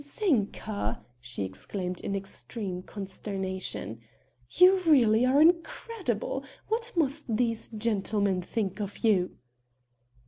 "Zinka!" she exclaimed in extreme consternation, "you really are incredible what must these gentlemen think of you!"